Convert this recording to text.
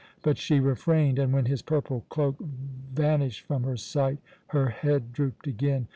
But she refrained, and when his purple cloak vanished from her sight her head drooped again.